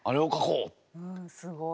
うんすごい。